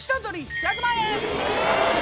１００万円！？